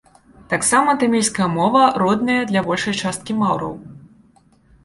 Таксама тамільская мова родная для большай часткі маўраў.